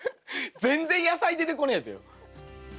全然野菜出てこねえべよ。